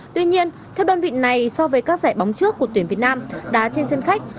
tuy nhiên theo đơn vị này so với các giải bóng trước của tuyển việt nam đá trên sân khách